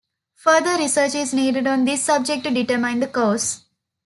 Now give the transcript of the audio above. Further research is needed on this subject to determine the cause.